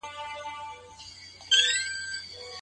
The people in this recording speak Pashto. که خاطرات ولیکل سي نو د عمر په پای کي لوستل کیږي.